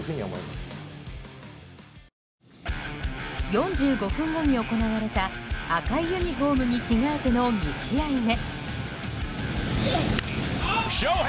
４５分後に行われた赤いユニホームに着替えての２試合目。